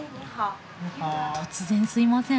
突然すいません。